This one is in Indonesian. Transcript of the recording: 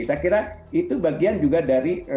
saya kira itu bagian juga dari